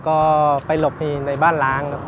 ก็ไปหลบในบ้านล้างครับ